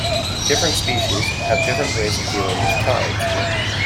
Different species have different ways of dealing with tides.